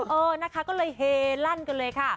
เออนะคะก็เลยเฮลั่นกันเลยค่ะ